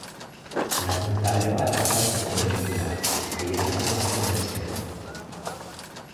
Lagun talde bat afaltzeko gelditu da, haietako batzuen etxean.